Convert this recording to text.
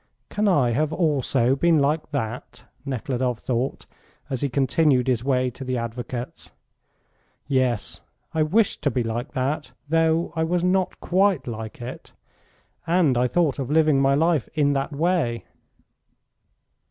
"Can I have also been like that?" Nekhludoff thought, as he continued his way to the advocate's. "Yes, I wished to be like that, though I was not quite like it. And I thought of living my life in that way."